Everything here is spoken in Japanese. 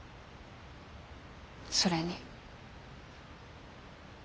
それに。